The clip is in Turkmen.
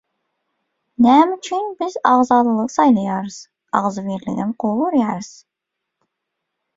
Näme üçin biz agzalalygy saýlaýarys, agzybirligem gowy görýäris?